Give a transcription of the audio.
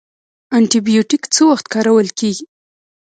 انټي بیوټیک څه وخت کارول کیږي؟